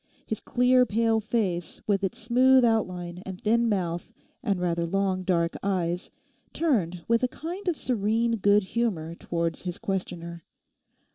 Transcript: His clear pale face, with its smooth outline and thin mouth and rather long dark eyes, turned with a kind of serene good humour towards his questioner.